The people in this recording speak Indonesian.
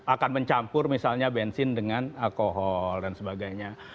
akan mencampur misalnya bensin dengan alkohol dan sebagainya